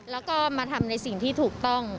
แล้วก็มาทำในสิ่งที่ถูกต้อง